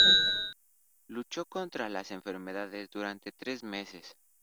Luchó contra la enfermedad durante tres meses.